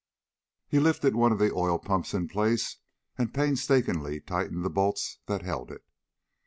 He lifted one of the oil pumps in place and painstakingly tightened the bolts that held it.